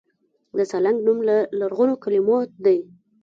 د سالنګ نوم له لرغونو کلمو دی